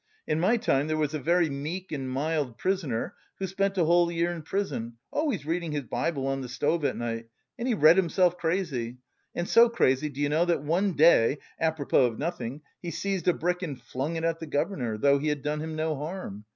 In my time there was a very meek and mild prisoner who spent a whole year in prison always reading his Bible on the stove at night and he read himself crazy, and so crazy, do you know, that one day, apropos of nothing, he seized a brick and flung it at the governor; though he had done him no harm.